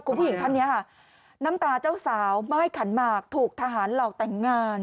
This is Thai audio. คุณผู้หญิงท่านนี้ค่ะน้ำตาเจ้าสาวม่ายขันหมากถูกทหารหลอกแต่งงาน